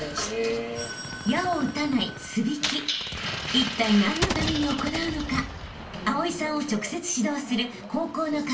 ［いったい何のために行うのか蒼さんを直接指導する高校の監督